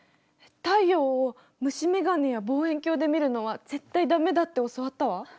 太陽を虫眼鏡や望遠鏡で見るのは絶対ダメだって教わったわ。